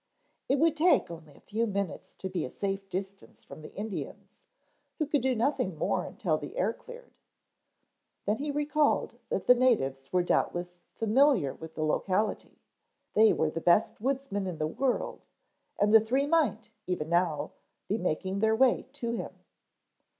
It would take only a few minutes to be a safe distance from the Indians who could do nothing more until the air cleared. Then he recalled that the natives were doubtless familiar with the locality, they were the best woodsmen in the world, and the three might, even now, be making their way to him.